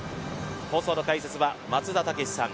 放送の解説は松田丈志さん